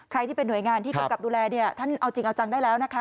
ใครที่เป็นห่วยงานที่กำกับดูแลเนี่ยท่านเอาจริงเอาจังได้แล้วนะคะ